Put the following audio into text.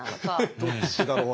どっちだろうな。